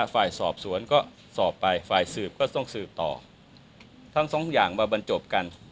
ฝ่ายสอบสวนก็สอบไปฝ่ายสืบก็ต้องสืบต่อทั้งสองอย่างมาบรรจบกัน